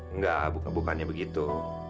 enggak bukannya begitu